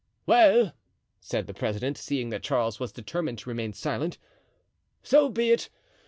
"Well," said the president, seeing that Charles was determined to remain silent, "so be it.